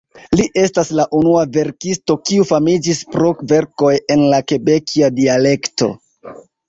Li estas la unua verkisto, kiu famiĝis pro verkoj en la kebekia dialekto.